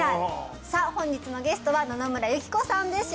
さあ本日のゲストは野々村友紀子さんです